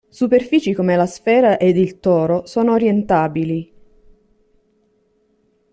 Superfici come la sfera ed il toro sono orientabili.